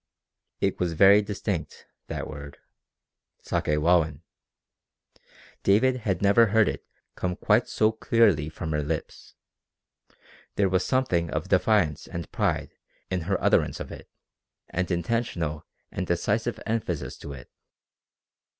It was very distinct, that word Sakewawin! David had never heard it come quite so clearly from her lips. There was something of defiance and pride in her utterance of it and intentional and decisive emphasis to it.